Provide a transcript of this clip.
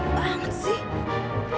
mana sih ini orang